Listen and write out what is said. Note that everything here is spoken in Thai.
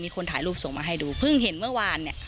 คนถ่ายรูปส่งมาให้ดูเพิ่งเห็นเมื่อวานเนี่ย